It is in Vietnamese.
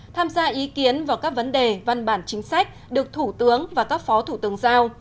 tham gia ý kiến vào các vấn đề văn bản chính sách được thủ tướng và các phó thủ tướng giao